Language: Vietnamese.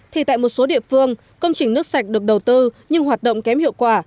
thì tại một số địa phương công trình nước sạch được đầu tư nhưng hoạt động kém hiệu quả